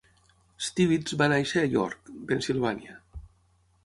Stibitz va néixer a York, Pennsilvània.